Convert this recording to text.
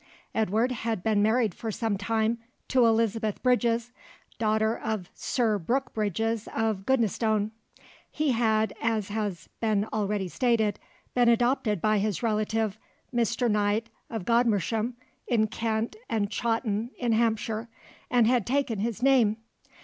Edward had been married for some time to Elizabeth Bridges, daughter of Sir Brook Bridges of Goodnestone. He had, as has been already stated, been adopted by his relative, Mr. Knight of Godmersham in Kent and Chawton in Hampshire, and had taken his name.